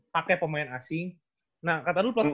pake pemain asing nah kata lu